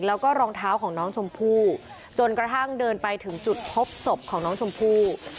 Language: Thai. แล้วก็รองเท้าของน้องชมพู่จนกระทั่งเดินไปถึงจุดพบศพของน้องชมพู่